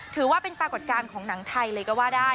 ถือว่าเป็นปรากฏการณ์ของหนังไทยเลยก็ว่าได้